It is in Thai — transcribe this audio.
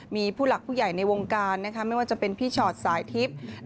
มีผู้หลักผู้ใหญ่ในวงการนะคะไม่ว่าจะเป็นพี่ชอตสายทิพย์